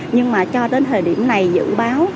nhưng mà cho đến thời điểm này dự báo